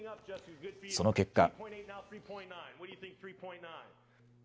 その結果。